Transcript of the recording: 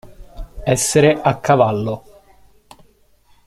Essere a cavallo.